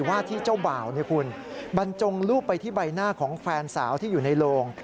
ว่าที่เจ้าบ่าวเนี่ยคุณบรรจงรูปไปที่ใบหน้าของแฟนสาวที่อยู่ในโรง